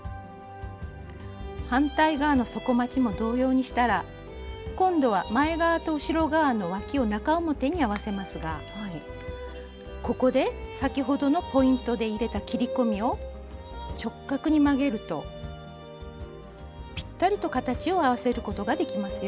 反対側の底まちも同様にしたら今度は前側と後ろ側のわきを中表に合わせますがここで先ほどのポイントで入れた切り込みを直角に曲げるとぴったりと形を合わせることができますよ。